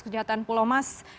kejahatan pulau mas